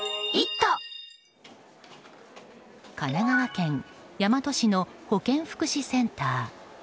神奈川県大和市の保健福祉センター。